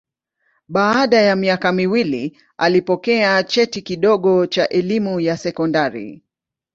Baada ya miaka miwili alipokea cheti kidogo cha elimu ya sekondari.